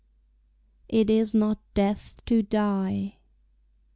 IT IS NOT DEATH TO DIE.